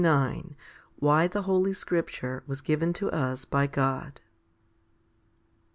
HOMILY XXXIX Why the Holy Scripture was given to us by God.